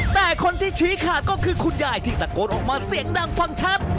แต่คนที่ชี้ขาดก็คือคุณยายที่ตะโกนออกมาเสียงดังฟังชัด